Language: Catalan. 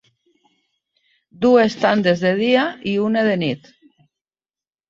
Dues tandes de dia i una de nit.